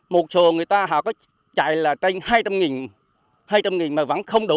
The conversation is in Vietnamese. một số người ta họ có chạy là trên hai trăm linh hai trăm linh mà vẫn không đủ